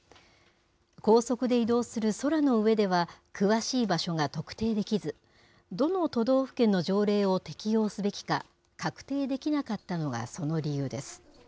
高速で移動する空の上では、詳しい場所が特定できず、どの都道府県の条例を適用すべきか確定できなかったのがその理由です。